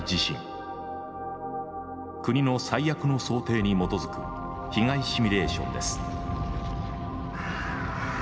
国の最悪の想定に基づく被害シミュレーションです。